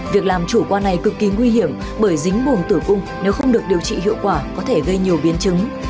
việc làm chủ qua này cực kỳ nguy hiểm bởi dính vùng tử cung nếu không được điều trị hiệu quả có thể gây nhiều biến chứng